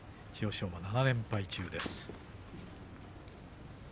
千代翔馬７連敗中です。